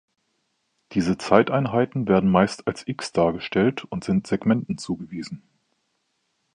Diese Zeiteinheiten werden meist als „X“ dargestellt und sind Segmenten zugewiesen.